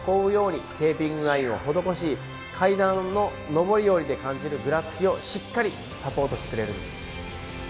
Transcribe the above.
テーピングラインを施し階段の上り下りで感じるぐらつきをしっかりサポートしてくれるんです。